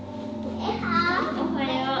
おはよう。